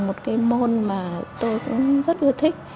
một môn mà tôi cũng rất ưa thích